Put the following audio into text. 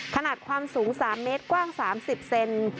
ขนาดความสูง๓เมตรกว้าง๓๐เซน